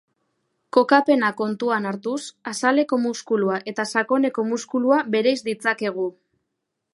Kokapena kontuan hartuz, azaleko muskulua eta sakoneko muskulua bereiz ditzakegu.